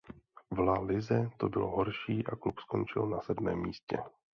V La Lize to bylo horší a klub skončil na sedmém místě.